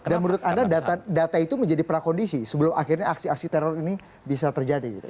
dan menurut anda data itu menjadi prakondisi sebelum akhirnya aksi aksi teror ini bisa terjadi